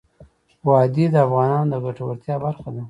وادي د افغانانو د ګټورتیا برخه ده.